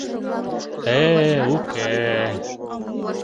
— Э-э, уке...